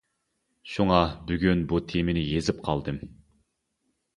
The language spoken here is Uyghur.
شۇڭا بۈگۈن بۇ تېمىنى يېزىپ قالدىم.